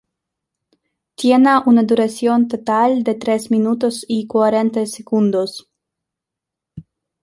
Tiene una duración total de tres minutos y cuarenta segundos.